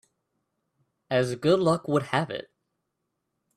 As good luck would have it